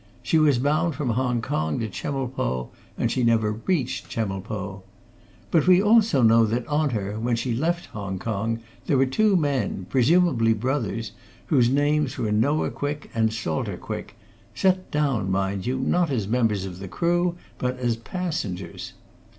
She was bound from Hong Kong to Chemulpo, and she never reached Chemulpo. But we also know that on her, when she left Hong Kong there were two men, presumably brothers, whose names were Noah Quick and Salter Quick, set down, mind you, not as members of the crew, but as passengers.